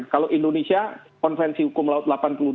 kalau indonesia konvensi hukum laut